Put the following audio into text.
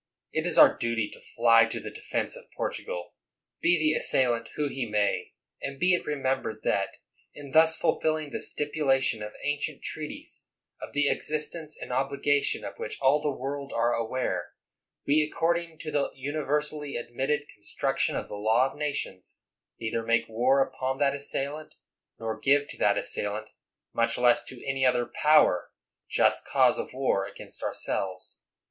It is our duty to fly to the defense of Portugal, be the assailant who he may. And, be it remembered, that, in thus fulfilling the stipulation of ancient treaties, of the existence and obligation of which all the world are aware, we, according to the universally admitted construction of the law of nations, neither make war upon that assailant, nor give to that assailant, much less to any other power, just cause of war against ourselves.